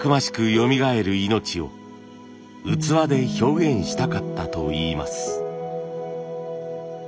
よみがえる命を器で表現したかったといいます。